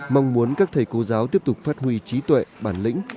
mong muốn các thầy cô giáo tiếp tục phát huy trí tuệ bản lĩnh